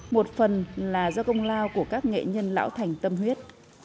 một phần là do công lao của các nghệ nhân lão thành tâm huyết